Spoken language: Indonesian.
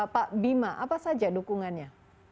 pak bima apa saja dukungannya